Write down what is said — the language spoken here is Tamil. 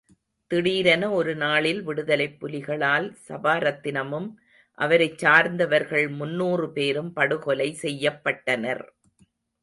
திடீரென ஒரு நாளில் விடுதலைப் புலிகளால் சபாரத்தினமும் அவரைச் சார்ந்தவர்கள் முன்னூறு பேரும் படுகொலை செய்யப்பட்டனர்.